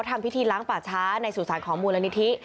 ทำพิธีล้างป่าช้าในสู่สารของมูลนิธิ